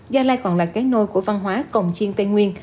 gia lai còn là cái nôi của văn hóa cổng chiên tây nguyên